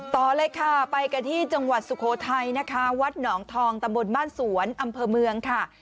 ต่อเลยค่ะไปกันที่จังหวัดสุโขทัยนะคะวัดหนองทองตำบลบ้านสวนอำเภอเมืองค่ะ